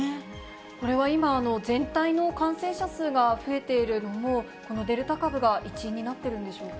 これは今、全体の感染者数が増えているのも、このデルタ株が一因になってるんでしょうか。